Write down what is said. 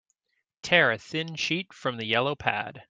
Tear a thin sheet from the yellow pad.